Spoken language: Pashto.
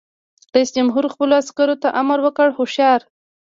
رئیس جمهور خپلو عسکرو ته امر وکړ؛ هوښیار!